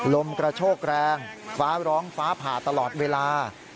ลมกระโชกแรงฟ้าร้องฟ้าผ่าตลอดเวลา